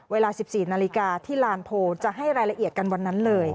เวลา๑๔นาฬิกาที่ลานโพลจะให้รายละเอียดกันวันนั้นเลย